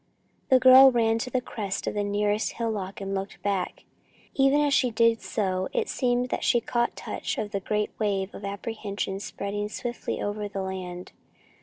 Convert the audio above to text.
The girl ran to the crest of the nearest hillock and looked back. Even as she did so, it seemed that she caught touch of the great wave of apprehension spreading swiftly over the land.